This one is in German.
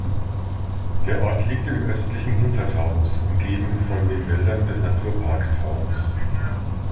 Der Ort liegt im östlichen Hintertaunus, umgeben von den Wäldern des Naturpark Taunus.